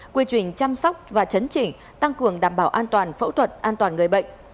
quy trình chăm sóc và chấn chỉnh tăng cường đảm bảo an toàn phẫu thuật an toàn người bệnh